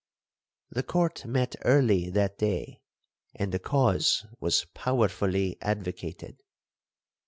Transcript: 'The court met early that day, and the cause was powerfully advocated.